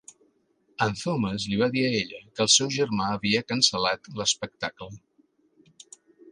En Thomas li va dir a ella que el seu germà havia cancel·lat l'espectacle.